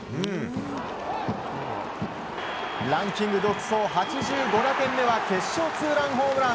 ランキング独走８５打点目は決勝ツーランホームラン！